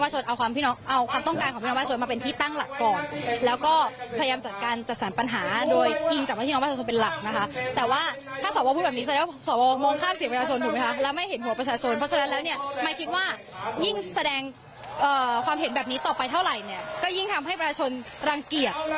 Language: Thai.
แสดงความเห็นแบบนี้ต่อไปเท่าไรก็ยิ่งทำให้ประชาชนรังเกียจ